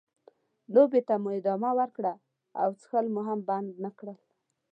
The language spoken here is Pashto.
لوبې ته مو ادامه ورکړه او څښل مو هم بند نه کړل.